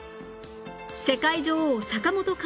世界女王坂本花織